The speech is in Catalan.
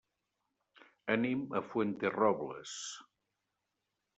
Anem a Fuenterrobles.